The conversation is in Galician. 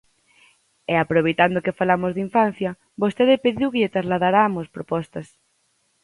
E, aproveitando que falamos de infancia, vostede pediu que lle trasladaramos propostas.